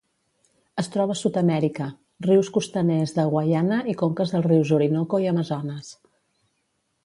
Es troba a Sud-amèrica: rius costaners de Guaiana i conques dels rius Orinoco i Amazones.